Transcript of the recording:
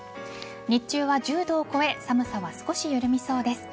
日中は１０度を超え寒さは少し緩みそうです。